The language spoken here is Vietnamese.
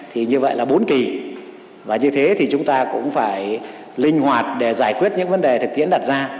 thì như vậy là bốn kỳ và như thế thì chúng ta cũng phải linh hoạt để giải quyết những vấn đề thực tiễn đặt ra